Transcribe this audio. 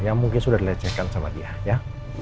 yang mungkin sudah dilecehkan sama dia ya